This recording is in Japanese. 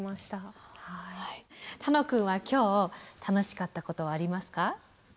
楽くんは今日楽しかったことはありますか？